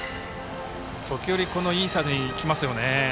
時折インサイドに来ますよね。